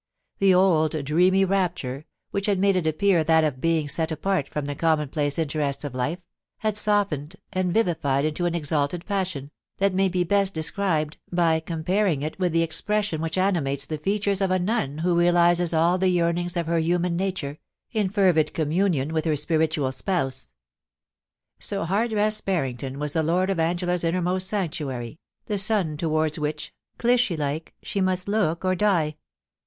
The old TOM DUNGIE GOSSIPS. 273 dreamy rapture, which had made it appear that of a being set apart from the commonplace interests of life, had softened and vivified into an exalted passion, that may be best de scribed by comparing it with the expression which animates the features of a nun who realises all the yearnings of her human nature, in fervid communion with her spiritual spouse. So Hardress Barrington was the lord of Angela's inner most sanctuary, the sun towards which, Clytie like, she must look or die.